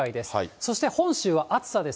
そして本州は暑さです。